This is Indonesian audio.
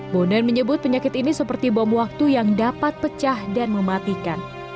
bondan menyebut penyakit ini seperti bom waktu yang dapat pecah dan mematikan